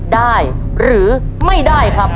ได้หรือไม่ได้ครับ